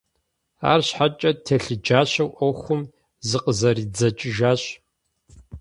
АрщхьэкIэ, телъыджащэу Iуэхум зыкъызэридзэкIыжащ.